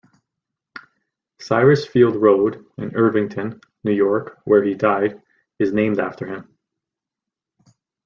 Cyrus Field Road, in Irvington, New York, where he died, is named after him.